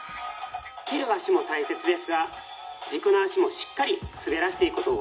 蹴る足も大切ですが軸の足もしっかり滑らせていくことを忘れずに」。